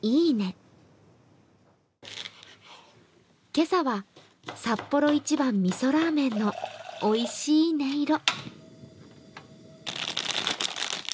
今朝はサッポロ一番みそラーメンのおいしい音色。